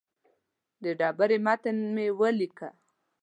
د ډبرې متن مې ولیکه.